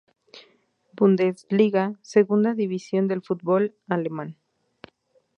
Bundesliga, segunda división del fútbol alemán.